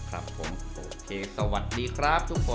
ครับผมโอเคสวัสดีครับทุกคน